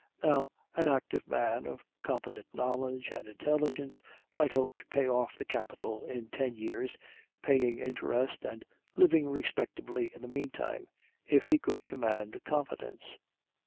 Now an active man, of competent knowledge and intelligence, might hope to pay off the capital in ten years, paying interest and living respectably in the meantime if he could command confidence.